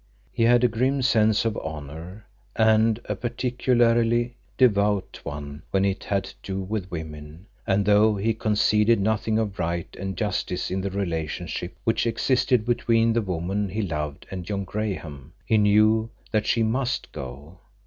He had a grim sense of honor, and a particularly devout one when it had to do with women, and though he conceded nothing of right and justice in the relationship which existed between the woman he loved and John Graham, he knew that she must go.